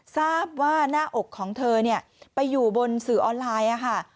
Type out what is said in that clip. ทราบว่าหน้าอกของเธอไปอยู่บนสื่อออนไลน์ค่ะ